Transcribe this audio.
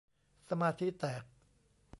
สมาธิแตก